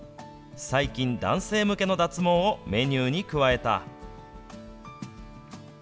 最近、男性向けの脱毛をメニューに加えた。